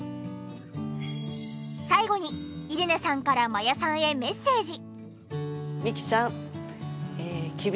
最後にイレネさんから真矢さんへメッセージ。